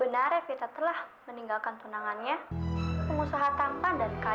lu percaya nggak sama dia